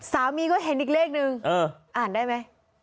สามีก็เห็นอีกเลขนึงอ่านได้ไหม